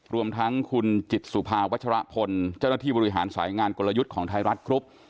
รวมทั้งคุณจิตสุภาวัชรพลเจ้าหน้าที่บริหารสายงานกลยุทธ์ของไทยรัฐกรุ๊ป